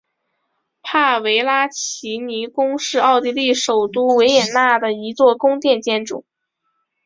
帕拉维奇尼宫是奥地利首都维也纳的一座宫殿建筑。